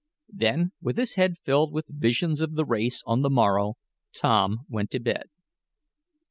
Then, with his head filled with visions of the race on the morrow Tom went to bed.